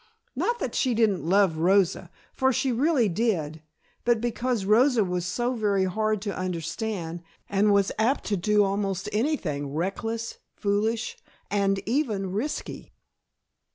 Not that she didn't love Rosa, for she really did, but because Rosa was so very hard to understand, and was apt to do almost anything reckless, foolish and even risky.